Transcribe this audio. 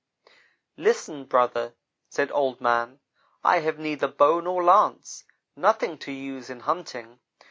"'Listen, brother,' said Old man, 'I have neither bow nor lance nothing to use in hunting.